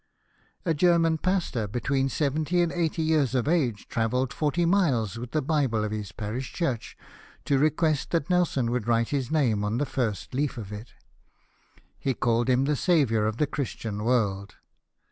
A German pastor between seventy and eighty years of age travelled forty miles with the Bible of his parish church, to request that Nelson would write his name on the first leaf of it. He called him the saviour of the Christian world.